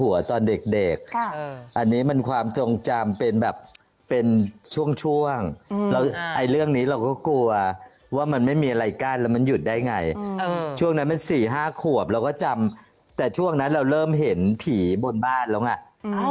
ตอนเด็กอันนี้มันความทรงจำเป็นแบบเป็นช่วงช่วงแล้วไอ้เรื่องนี้เราก็กลัวว่ามันไม่มีอะไรกั้นแล้วมันหยุดได้ไงช่วงนั้นมัน๔๕ขวบเราก็จำแต่ช่วงนั้นเราเริ่มเห็นผีบนบ้านแล้วไง